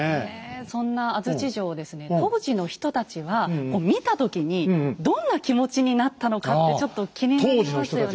そんな安土城をですね当時の人たちは見た時にどんな気持ちになったのかってちょっと気になりますよね。